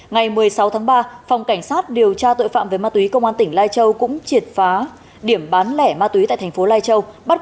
ngày một mươi sáu tháng ba phòng cảnh sát điều tra tội phạm về ma túy công an tỉnh lai châu cũng triệt phá